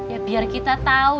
ya biar kita tau